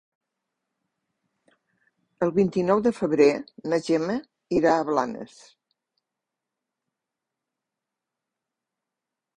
El vint-i-nou de febrer na Gemma irà a Blanes.